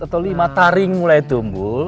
atau lima taring mulai tumbuh